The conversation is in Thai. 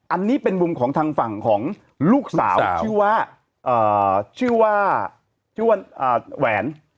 อันนี้เป็นมุมของทางฝั่งของลูกสาวชื่อว่าชื่อว่าแหวน